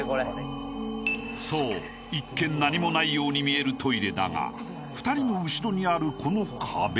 ［そう一見何もないように見えるトイレだが２人の後ろにあるこの壁。